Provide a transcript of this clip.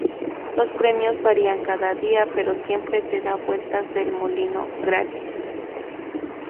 Los premios varían cada día, pero siempre te da vueltas del molino gratis.